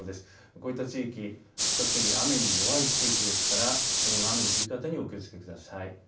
こういった地域比較的、雨に弱い地域ですから今後の雨の降り方にお気をつけください。